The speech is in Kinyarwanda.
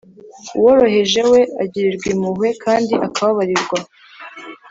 Uworoheje we, agirirwa impuhwe kandi akababarirwa,